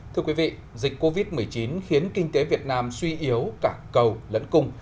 thưa quý vị dịch covid một mươi chín khiến kinh tế việt nam suy yếu cả cầu lẫn cùng